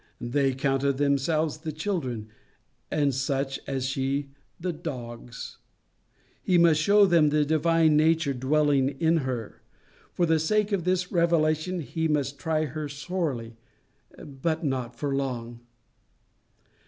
They counted themselves the children, and such as she the dogs. He must show them the divine nature dwelling in her. For the sake of this revelation he must try her sorely, but not for long.